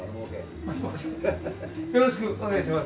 よろしくお願いします。